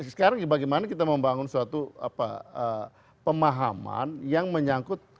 sekarang bagaimana kita membangun suatu pemahaman yang menyangkut